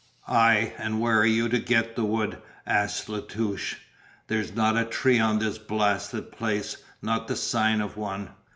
"Ay, and where are you to get the wood?" asked La Touche. "There's not a tree on this blasted place, nor the sign of one."